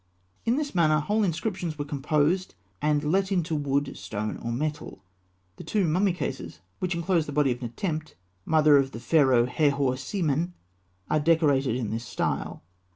In this manner, whole inscriptions were composed, and let into wood, stone, or metal. The two mummy cases which enclosed the body of Netemt, mother of the Pharaoh Herhor Seamen, are decorated in this style.